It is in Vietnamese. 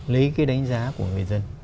lấy cái đánh giá của người dân